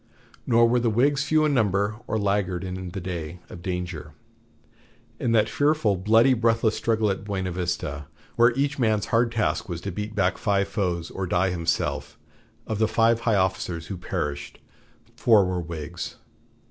Nor were the Whigs few in number or laggard in the day of danger. In that fearful, bloody, breathless struggle at Buena Vista, where each man's hard task was to beat back five foes or die himself, of the five high officers who perished, four were Whigs.